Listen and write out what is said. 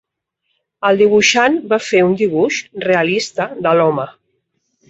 El dibuixant va fer un dibuix realista de l'home.